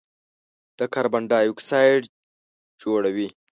د کاربن ډای اکسایډ جوړوي.